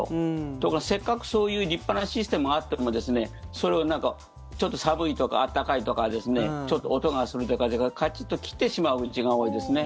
ところが、せっかくそういう立派なシステムがあってもそれをちょっと寒いとか暖かいとかちょっと音がするとかでカチッと切ってしまうおうちが多いですね。